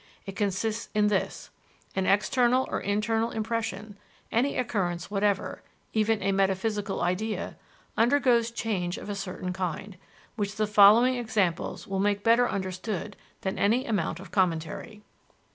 It consists in this: An external or internal impression, any occurrence whatever, even a metaphysical idea, undergoes change of a certain kind, which the following examples will make better understood than any amount of commentary.